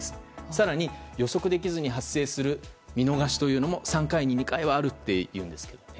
更に、予測できずに発生する見逃しというのも３回に２回はあるというんですよね。